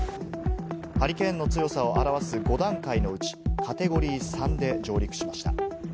ハリケーンの強さを表す５段階のうち、カテゴリー３で上陸しました。